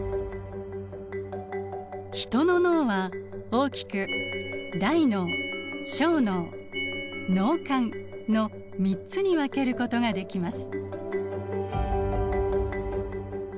ヒトの脳は大きく大脳小脳脳幹の３つに分けることができます。